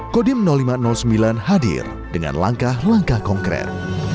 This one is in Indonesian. kodim lima ratus sembilan hadir dengan langkah langkah konkret